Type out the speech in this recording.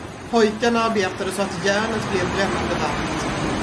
Pojken arbetade, så att järnet blev brännande varmt.